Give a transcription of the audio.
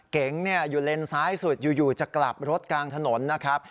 เก๋งอยู่เลนซ้ายสุดอยู่จะกลับรถกลางถนนนะครับ